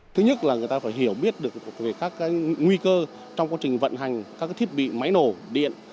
thứ nhất là người ta phải hiểu biết được về các nguy cơ trong quá trình vận hành các thiết bị máy nổ điện